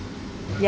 ya aku pengen nyoba